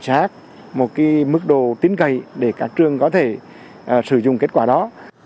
cho nên kết quả này đòi hỏi một sự chính xác một mức đồ tính cây để các trường có thể sử dụng kết quả đó